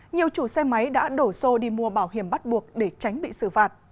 nhiều chủ xe máy đã đổ xô đi mua bảo hiểm bắt buộc để tránh bị xử phạt